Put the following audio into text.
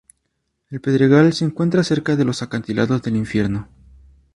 El pedregal se encuentra cerca de los acantilados del Infierno.